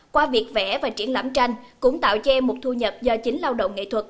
qua việc vẽ và triển lãm tranh cũng tạo cho em một thu nhập do chính lao động nghệ thuật